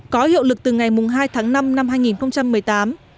có hiệu lực từ ngày hai tháng năm năm hai nghìn một mươi tám